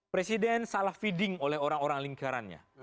presiden salah feeding oleh orang orang lingkarannya